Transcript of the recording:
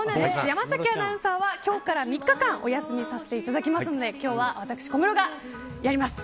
山崎アナウンサーは今日から３日間お休みさせていただきますので今日は私、小室がやります